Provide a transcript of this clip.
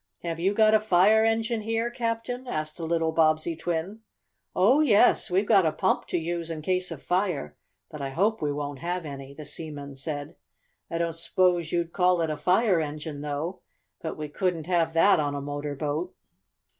"Have you got a fire engine here, Captain?" asked the little Bobbsey twin. "Oh, yes, we've a pump to use in case of fire, but I hope we won't have any," the seaman said. "I don't s'pose you'd call it a fire engine, though, but we couldn't have that on a motor boat."